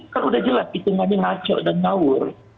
kan sudah jelas hitungannya maco dan maur